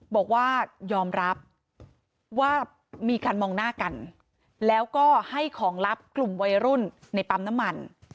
บอกว่ายอมรับว่ามีการมองหน้ากันแล้วก็ให้ของลับกลุ่มวัยรุ่นในปั๊มน้ำมัน